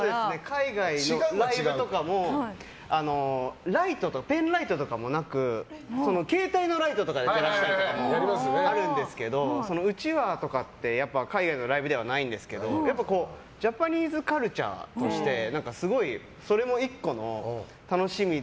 海外のライブとかもペンライトとかもなく携帯のライトとかでやったりはあるんですけどうちわとかって海外のライブではないんですけどジャパニーズカルチャーとしてそれも１個の楽しみで。